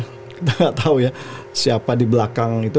kita nggak tahu ya siapa di belakang itu